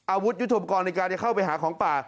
อาวุธยุทธปกรณ์ในการจะเข้าไปหาของป่า